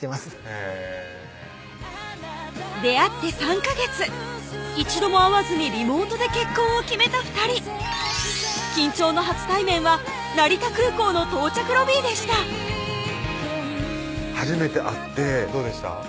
へぇ出会って３カ月一度も会わずにリモートで結婚を決めた２人緊張の初対面は成田空港の到着ロビーでした初めて会ってどうでした？